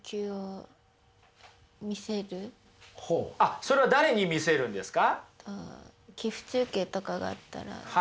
それは誰に見せるんですか？